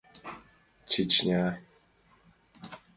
Чечня...